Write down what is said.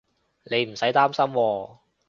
你唔使擔心喎